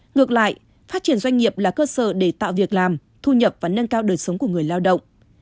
ngược lại phát triển doanh nghiệp là cơ sở để tạo việc làm thu nhập và nâng cao đời sống của người lao động